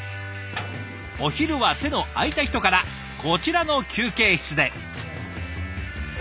お昼は手の空いた人からこちらの休憩室で。